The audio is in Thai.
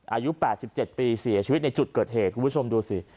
อายุ๘๗ปีเสียชีวิตในจุดเกิดเหตุคุณผู้ชมดูสิ